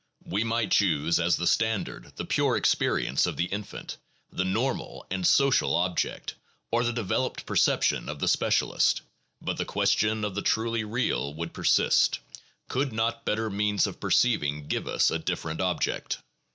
We might choose as the standard the pure ex perience of the infant, the normal and social object, or the de veloped perception of the specialist; but the question of the truly real would persist: could not better means of perceiving give us a different object?